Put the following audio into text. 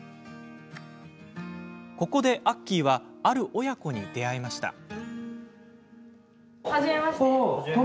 ここでアッキーはある親子に出会いました。